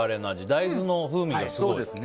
大豆の風味がすごい。